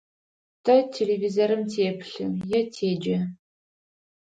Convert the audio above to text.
Тэ телевизорым теплъы е теджэ.